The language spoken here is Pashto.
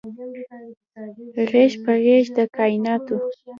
غیږ په غیږ د کائیناتو